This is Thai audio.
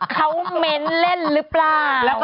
เขาเม้นเล่นหรือเปล่า